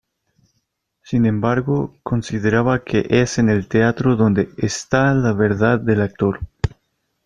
Sin embargo, consideraba que es en el teatro donde "está la verdad del actor".